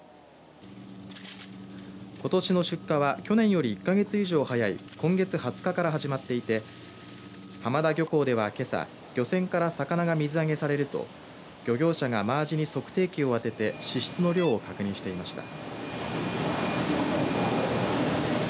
ことしの出荷は去年より１か月以上早い今月２０日から始まっていて浜田漁港では、けさ漁船から魚が水揚げされると漁業者がマアジに測定器を当てて脂質の量を確認していました。